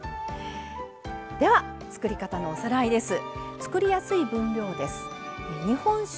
では作り方のおさらいです。